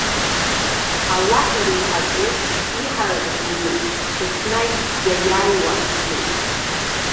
Аллаҳ иреиҳаӡоу, иҳаракӡоу иоуп, еснагь иаиааиуа иоуп.